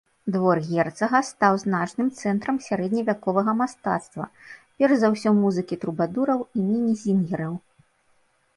Двор герцага стаў значным цэнтрам сярэдневяковага мастацтва, перш за ўсё музыкі трубадураў і мінезінгераў.